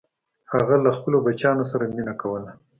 هغه له خپلو بچیانو سره مینه کوله.